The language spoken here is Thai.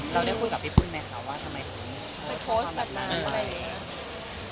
เราได้คุยกับพี่ปุ่นไหมคะว่าทำไมพี่ปุ่นโพสต์แบบนั้น